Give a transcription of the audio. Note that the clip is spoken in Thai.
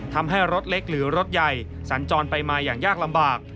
ทำให้รถเล็กหรือรถใหญ่สัญจรไปมาอย่างยากลำบาก